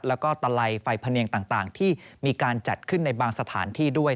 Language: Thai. แล้วก็ตะไลไฟพะเนียงต่างที่มีการจัดขึ้นในบางสถานที่ด้วย